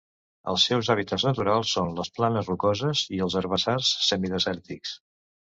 Els seus hàbitats naturals són les planes rocoses i els herbassars semidesèrtics.